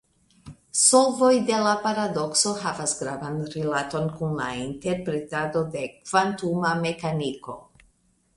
Solvoj de la paradokso havas gravan rilaton kun la interpretado de kvantuma mekaniko.